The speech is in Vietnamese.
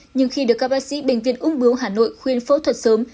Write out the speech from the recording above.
nhưng khi được các bác sĩ bệnh viện ung bướu hà nội khuyên phẫu thuật sớm